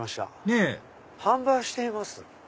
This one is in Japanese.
ねぇ「販売しています